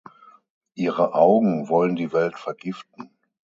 Ihre Augen wollen die Welt vergiften.